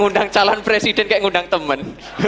undang calon presiden kayak undang temen